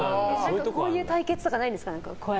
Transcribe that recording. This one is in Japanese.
こういう対決とかないんですか？